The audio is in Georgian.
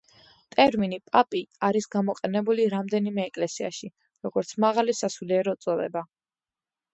ტერმინი „პაპი“ არის გამოყენებული რამდენიმე ეკლესიაში, როგორც მაღალი სასულიერო წოდება.